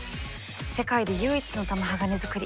世界で唯一の玉鋼づくり。